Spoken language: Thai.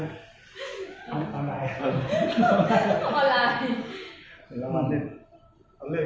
คุณพูดว่าผู้หายไม่แปลกผู้หายไม่เว็บ